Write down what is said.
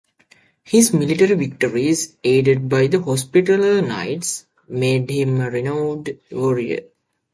His military victories, aided by the Hospitaller knights, made him a renowned warrior.